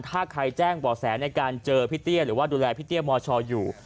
ถ้าใครแจ้งบ่อแสในการเจอพี่เตี้ยหรือว่าดูแลพี่เตี้ยมชอยู่